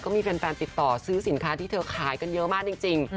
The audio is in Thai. ก็มีแฟนติดต่อซื้อสินค้าที่เธอขายกันเยอะมากจริง